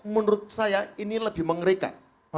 menurut saya ini lebih mengerikan